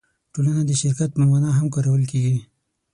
ټولنه د شرکت په مانا هم کارول کېږي.